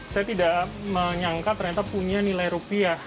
saya tidak menyangka ternyata punya nilai rupiah